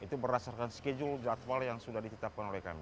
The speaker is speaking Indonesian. itu berdasarkan schedule jadwal yang sudah ditetapkan oleh kami